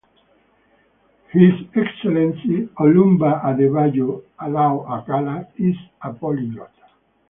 His Excellency, Otunba Adebayo Alao-Akala is a polyglot.